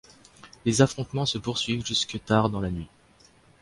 Les affrontements se poursuivent jusque tard dans la nuit.